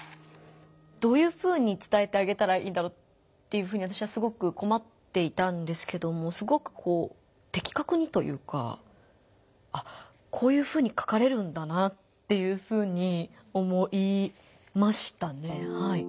どういうふうにつたえてあげたらいいだろうっていうふうに私はすごく困っていたんですけどもすごくこう的確にというかあっこういうふうに書かれるんだなっていうふうに思いましたね。